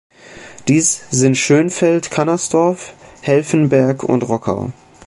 Dies sind Schönfeld, Cunnersdorf, Helfenberg und Rockau.